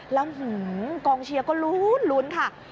แล้วกองเชียร์ก็ลุ้นค่ะ